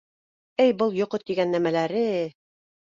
Әй, был йоҡо тигән нәмәләре!